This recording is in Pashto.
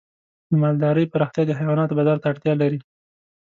د مالدارۍ پراختیا د حیواناتو بازار ته اړتیا لري.